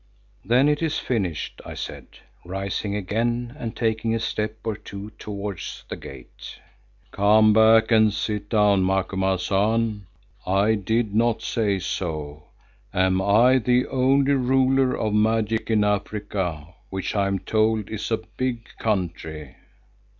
"Then it is finished," I said, rising again and taking a step or two towards the gate. "Come back and sit down, Macumazahn. I did not say so. Am I the only ruler of magic in Africa, which I am told is a big country?"